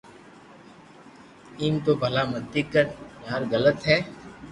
ايم تو ڀلا متي ڪر يار غلط ھي